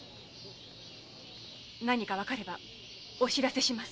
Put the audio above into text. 何かわかればお報せします。